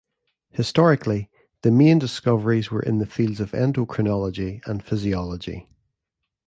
Historically, the main discoveries were in the fields of endocrinology and physiology.